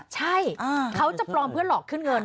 ใช่เขาจะปลอมเพื่อหลอกขึ้นเงิน